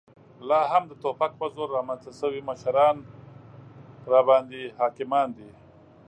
لا هم د توپک په زور رامنځته شوي مشران راباندې حاکمان دي.